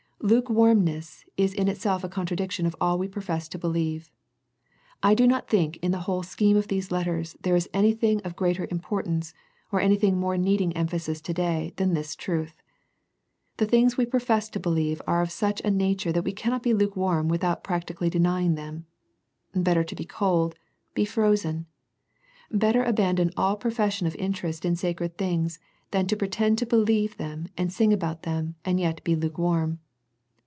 Lukewarmness is in itself a contradiction of all we profess to believe. I do not think in the vi^hole scheme of these letters there is any thing of greater importance, or anything more needing emphasis to day than this truth. The things v^e profess to believe are of such a nature that we cannot be lukewarm without practically denying them. Better be cold, be frozen. Better abandon all profession of in terest in sacred things than to pretend to be lieve them and sing about them, and yet be lukewarm.